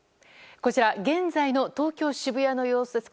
こちら現在の東京・渋谷の様子です。